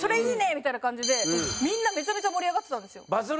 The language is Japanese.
みたいな感じでみんなめちゃめちゃ盛り上がってたんですよ。